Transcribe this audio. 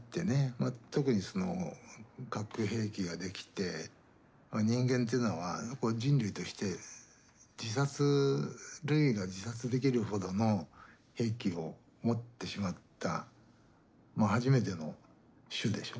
まあ特にその核兵器が出来て人間っていうのは人類として自殺類が自殺できるほどの兵器を持ってしまった初めての種でしょ。